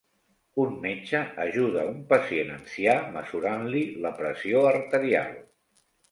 Un metge ajuda un pacient ancià mesurant-li la pressió arterial